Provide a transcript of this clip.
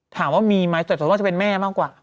ถามว่ามีไหมแต่ส่วนว่าจะเป็นแม่มากกว่า